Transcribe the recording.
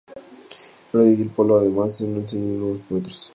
En la obra de Gil Polo, además, se ensaya la introducción de nuevos metros.